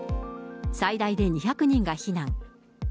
最大で２００人が避難。